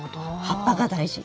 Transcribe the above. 葉っぱが大事。